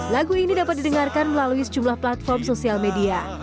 lagu ini dapat didengarkan melalui sejumlah platform sosial media